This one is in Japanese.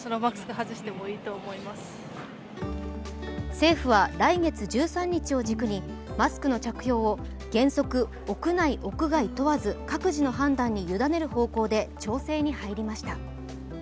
政府は来月１３日を軸にマスクの着用を原則屋内・屋外問わず各自の判断に委ねる方向で調整に入りました。